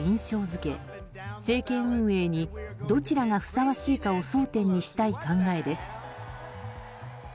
付け政権運営にどちらがふさわしいかを争点にしたい考えです。